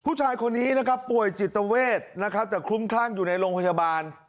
ผู้ชายคนนี้นะครับป่วยจิตเวทนะครับแต่คลุ้มคลั่งอยู่ในโรงพยาบาล